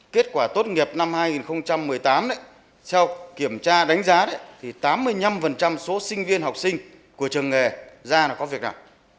kết quả tốt nghiệp năm hai nghìn một mươi tám theo kiểm tra đánh giá thì tám mươi năm số sinh viên học sinh của trường nghề ra là có việc nào